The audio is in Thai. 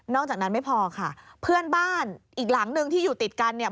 จากนั้นไม่พอค่ะเพื่อนบ้านอีกหลังนึงที่อยู่ติดกันเนี่ย